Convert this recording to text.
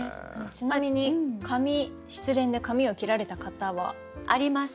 ちなみに髪失恋で髪を切られた方は？あります。